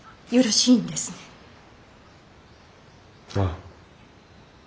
ああ。